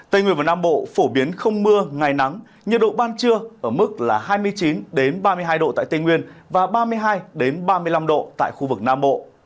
tây nguyên và nam bộ phổ biến không mưa ngày nắng nhiệt độ ban trưa ở mức là hai mươi chín ba mươi hai độ tại tây nguyên và ba mươi hai ba mươi năm độ tại khu vực nam bộ